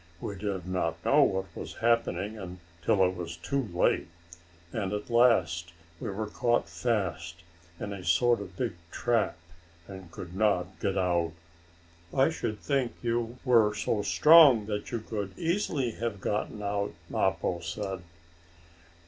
We did not know what was happening until it was too late, and at last we were caught fast in a sort of big trap, and could not get out." "I should think you were so strong that you could easily have gotten out," Mappo said.